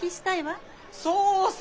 そうさ。